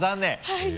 はい。